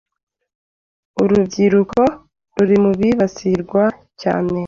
Urubyiruko ruri mu bibasirwa cyane